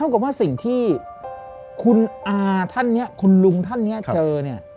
และเท่ากันสิ่งที่คุณอาท่านเนี่ยคุณลุงท่านเนี่ยเจอเนี่ย